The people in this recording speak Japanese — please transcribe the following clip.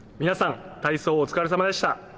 皆さん、体操お疲れさまでした。